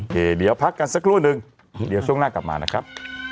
เดี๋ยวพักกันสักครู่นึงเดี๋ยวช่วงหน้ากลับมานะครับ